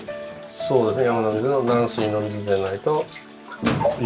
そうですね。